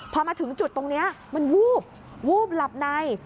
พอมาถึงจุดตรงนี้มันวูบวูบหลับใน